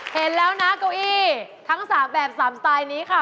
เห็นแล้วนะเก้าอี้ทั้ง๓แบบ๓สไตล์นี้ค่ะ